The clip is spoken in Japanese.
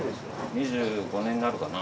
２５年になるかな。